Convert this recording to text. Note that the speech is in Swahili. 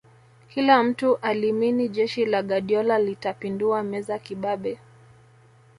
kila mtu alimini jeshi la guardiola litapindua meza kibabe